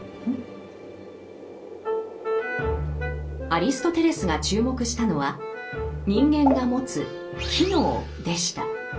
アリストテレスが注目したのは人間が持つ「機能」でした。